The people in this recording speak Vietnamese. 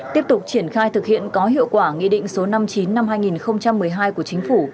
tiếp tục triển khai thực hiện có hiệu quả nghị định số năm mươi chín năm hai nghìn một mươi hai của chính phủ